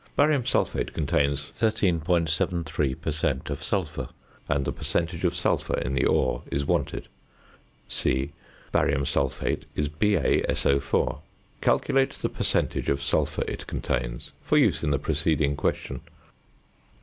Barium sulphate contains 13.73 per cent. of sulphur, and the percentage of sulphur in the ore is wanted. (c) Barium sulphate is BaSO_. Calculate the percentage of sulphur it contains, for use in the preceding question.